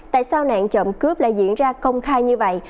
tại sao nạn trộm cướp lại diễn ra công khai như vậy